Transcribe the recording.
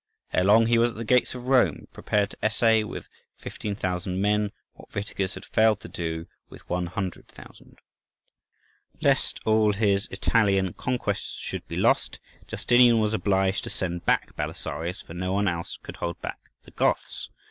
Ere long he was at the gates of Rome, prepared to essay, with 15,000 men, what Witiges had failed to do with 100,000. Lest all his Italian conquests should be lost, Justinian was obliged to send back Belisarius, for no one else could hold back the Goths.